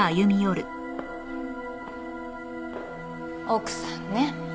奥さんね。